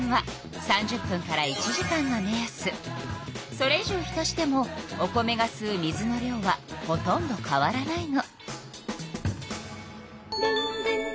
それ以上浸してもお米がすう水の量はほとんど変わらないの。